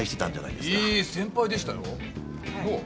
いい先輩でしたよ。なあ？